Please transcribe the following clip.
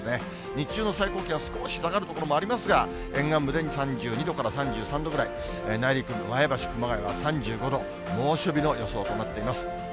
日中の最高気温、少し下がる所もありますが、沿岸部で３２度から３３度ぐらい、内陸部、前橋、熊谷は３５度、猛暑日の予想となっています。